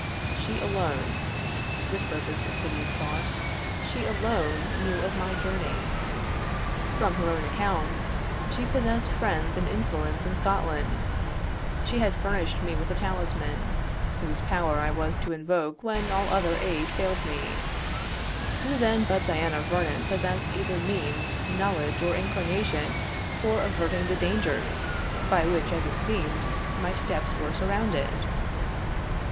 She alone whispered this insidious thought she alone knew of my journey; from her own account, she possessed friends and influence in Scotland; she had furnished me with a talisman, whose power I was to invoke when all other aid failed me; who then but Diana Vernon possessed either means, knowledge, or inclination, for averting the dangers, by which, as it seemed, my steps were surrounded?